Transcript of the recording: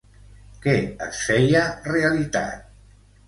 Què es feia realitat?